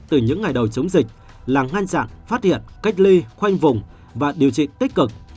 từ những ngày đầu chống dịch là ngăn chặn phát hiện cách ly khoanh vùng và điều trị tích cực